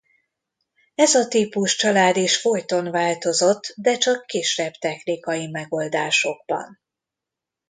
Ez a típuscsalád is folyton változott de csak kisebb technikai megoldásokban.